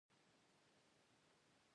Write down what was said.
سږ کال زموږ پټي کې جلگه زیاته وه.